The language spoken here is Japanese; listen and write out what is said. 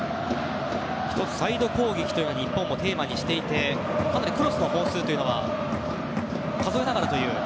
１つ、サイド攻撃を日本もテーマにしていてかなりクロスの本数というのも数えながらという。